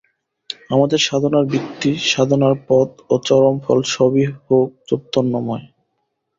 আমাদের সাধনার ভিত্তি, সাধনার পথ ও চরম ফল সবই হউক চৈতন্যময়।